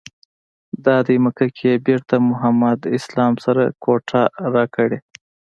دادی مکه کې یې بېرته محمد اسلام سره کوټه راکړې.